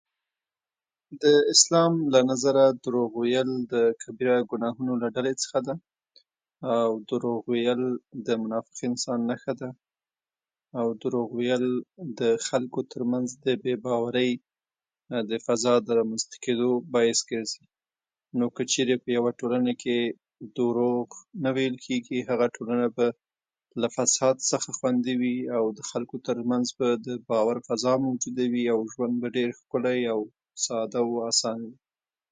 د اسلام له نظره، دروغ ویل د کبیره ګناهونو له ډلې څخه ده، او دروغ ویل د منافق انسان نښه ده. او دروغ ویل د خلکو تر منځ د بې باورۍ د فضا رامنځته کېدو باعث ګرځي. نو که چېرې په یوه ټولنه کې دروغ نه ویل کېږي، نو هغه ټولنه به له فساد څخه خوندي وي، او د خلکو تر منځ به د باور فضا موجوده وي، او ژوند به ډېر ښکلی او ساده او اسان وي.